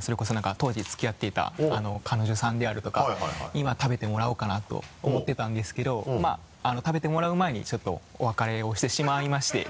それこそ何か当時付き合っていた彼女さんであるとかに食べてもらおうかなと思ってたんですけどまぁ食べてもらう前にちょっとお別れをしてしまいまして。